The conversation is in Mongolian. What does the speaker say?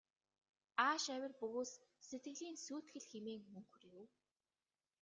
Ааш авир бөгөөс сэтгэлийн сүйтгэл хэмээн мунхар юу.